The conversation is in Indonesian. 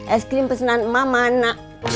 es krim pesanan emak mana